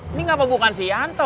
ini apa bukan si yanto